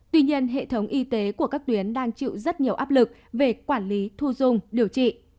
tuy nhiên hệ thống y tế của các tuyến đang chịu rất nhiều áp lực về quản lý thu dung điều trị